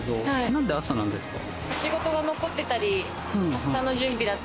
何で朝なんですか？